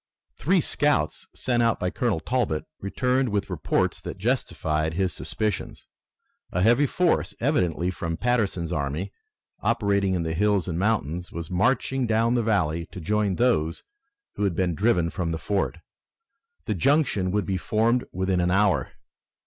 Three scouts, sent out by Colonel Talbot, returned with reports that justified his suspicions. A heavy force, evidently from Patterson's army operating in the hills and mountains, was marching down the valley to join those who had been driven from the fort. The junction would be formed within an hour.